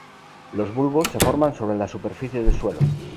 Los bulbos se forman sobre la superficie del suelo.